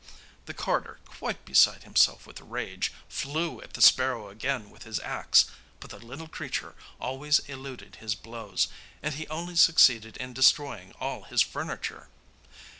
The carter, quite beside himself with rage, flew at the sparrow again with his axe, but the little creature always eluded his blows, and he only succeeded in destroying all his furniture.